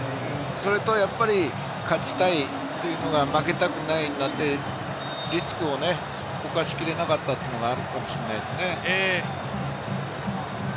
それと、やっぱり勝ちたいというのが、負けたくないになって、リスクを冒しきれなかったというのがあるかもしれないですね。